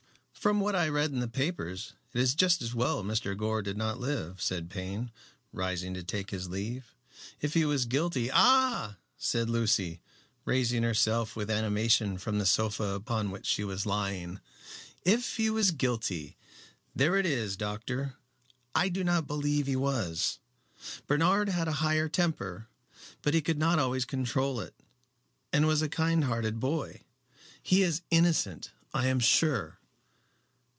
"From what I read in the papers it is just as well Mr. Gore did not live," said Payne, rising to take his leave. "If he was guilty " "Ah!" said Lucy, raising herself with animation from the sofa upon which she was lying. "If he was guilty. There it is, doctor. I do not believe he was. Bernard had a high temper, but he could not always control it, and was a kind hearted boy. He is innocent I am sure."